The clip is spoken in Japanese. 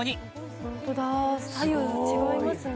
ホントだ左右違いますね